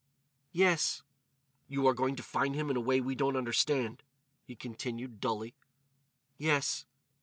"Yes." "You are going to find him in a way we don't understand," he continued, dully. "Yes....